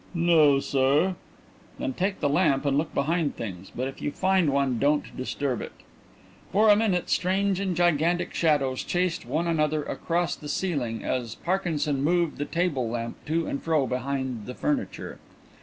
"No, sir." "Then take the lamp and look behind things. But if you find one don't disturb it." For a minute strange and gigantic shadows chased one another across the ceiling as Parkinson moved the table lamp to and fro behind the furniture.